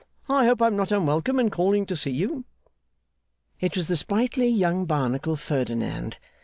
I hope I am not unwelcome in calling to see you.' It was the sprightly young Barnacle, Ferdinand.